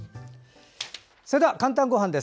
それでは「かんたんごはん」です。